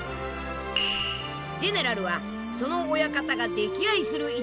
ジェネラルはその親方が溺愛する一番弟子。